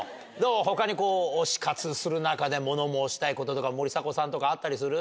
他に推し活する中で物申したいこととか森迫さんとかあったりする？